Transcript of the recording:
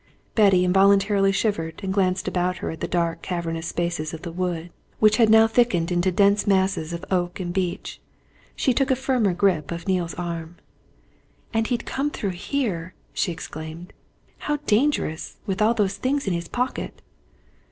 Betty involuntarily shivered and glanced about her at the dark cavernous spaces of the wood, which had now thickened into dense masses of oak and beech. She took a firmer grip of Neale's arm. "And he'd come through here!" she exclaimed. "How dangerous! with those things in his pocket!"